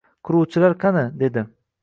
— Quruvchilar qani? — dedi.